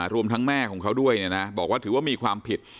รวมทั้งแม่ของเขาด้วยบอกว่าถือว่ามีความผิด